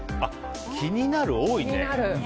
気になる、多いね。